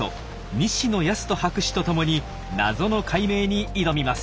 西野康人博士と共に謎の解明に挑みます。